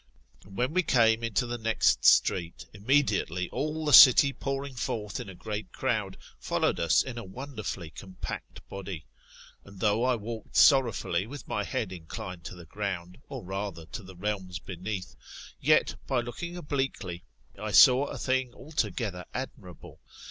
And when we came into the next street, immediately all the city pouring forth in a great crowd, followed us in a wonderfully compact body. And though I walked sorrowfully with my head inclined to the ground, or rather to the realms beneath, yet by looking obliquely, I saw a thing altogether admirable.